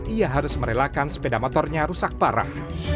ia harus merelakan sepeda motornya rusak parah